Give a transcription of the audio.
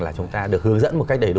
là chúng ta được hướng dẫn một cách đầy đủ